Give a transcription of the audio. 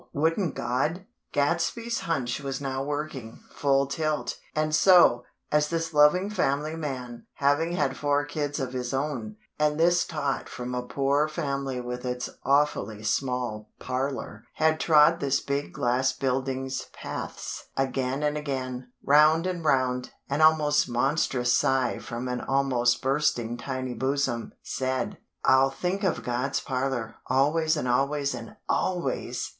Wouldn't God ?" Gadsby's hunch was now working, full tilt; and so, as this loving family man, having had four kids of his own, and this tot from a poor family with its "awfully small" parlor, had trod this big glass building's paths again and again; round and round, an almost monstrous sigh from an almost bursting tiny bosom, said: "I'll think of God's parlor, always and always and _always!!